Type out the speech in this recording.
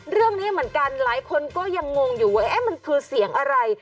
เรื่องนี้เหมือนกันหลายคนก็ยังงงอยู่ว่ามันคือเสียงอะไร